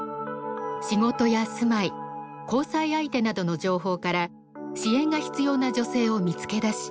仕事や住まい交際相手などの情報から支援が必要な女性を見つけ出し